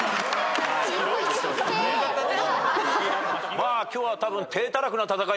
まあ今日はたぶん。